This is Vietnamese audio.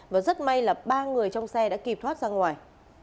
và rất may là ba người trong xe đã kịp thoát ra ngoài